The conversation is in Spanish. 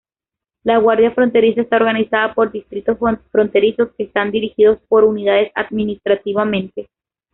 La Guardia Fronteriza está organizada por distritos fronterizos que están dirigidos por unidades administrativamente.